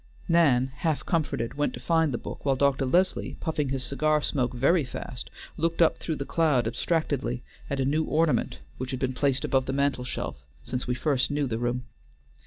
Nan, half comforted, went to find the book, while Dr. Leslie, puffing his cigar smoke very fast, looked up through the cloud abstractedly at a new ornament which had been placed above the mantel shelf since we first knew the room.